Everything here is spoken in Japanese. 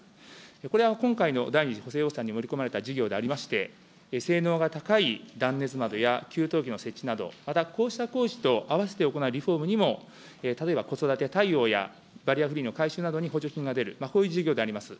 これは今回の第２次補正予算に盛り込まれた事業でありまして、性能が高い断熱窓や給湯器の設置など、またこうした工事と合わせて行うリフォームにも、例えば子育て対応やバリアフリーの改修などに補助金が出る、こういう事業であります。